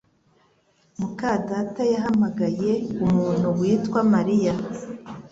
muka data yahamagaye umuntu witwa Mariya